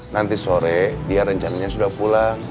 nanti sore dia rencananya sudah pulang